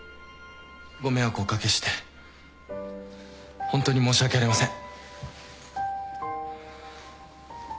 ご迷惑をお掛けして本当に申し訳ありません。